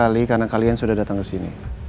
terima kasih sekali karena kalian sudah datang ke sini